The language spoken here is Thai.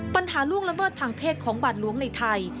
ปัญหาร่วงระเบิดทางเพศของบาดล้วงในไทย